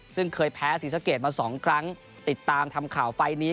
ซึ่งเคยแพ้ศรีสะเกดมาสองครั้งติดตามทำข่าวไฟล์นี้